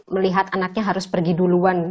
melihat anaknya harus pergi duluan